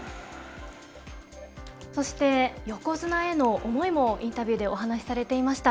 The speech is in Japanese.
そして、横綱への思いもインタビューでお話しされていました。